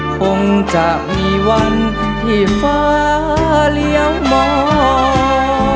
คงจะมีวันที่ฟ้าเลี้ยวมอง